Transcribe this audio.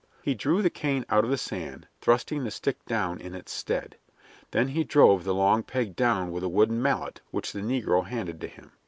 He drew the cane out of the sand, thrusting the stick down in its stead. Then he drove the long peg down with a wooden mallet which the negro handed to him.